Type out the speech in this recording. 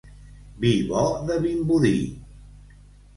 Vi bo de Vimbodí.